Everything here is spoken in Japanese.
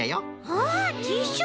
あっティッシュ